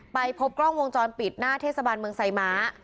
ไปพบกล้องวงจรปิดหน้าเทศบาลเมืองไซม้า